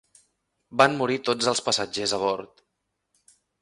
Van morir tots els passatgers a bord.